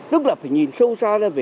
tức là phải nhìn sâu xa ra